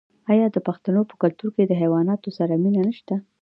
آیا د پښتنو په کلتور کې د حیواناتو سره مینه نشته؟